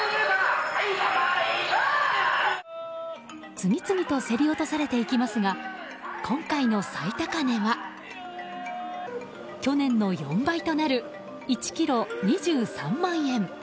次々と競り落とされていきますが今回の最高値は。去年の４倍となる１ｋｇ２３万円。